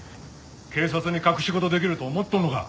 警察に隠し事できると思っとんのか？